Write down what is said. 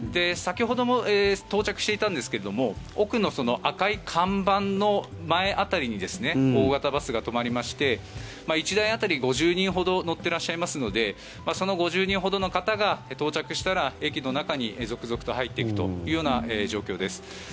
先ほども到着していたんですが奥の赤い看板の前辺りに大型バスが止まりまして１台当たり５０人ほど乗ってらっしゃいますのでその５０人ほどの方が到着したら駅の中に続々と入っていくというような状況です。